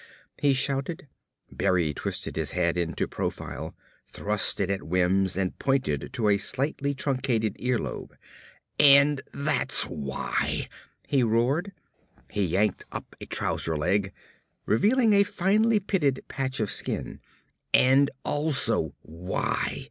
he shouted. Berry twisted his head into profile, thrust it at Wims and pointed to a slightly truncated ear lobe. "And that's why!" he roared. He yanked up a trouser leg, revealing a finely pitted patch of skin. "And also why!"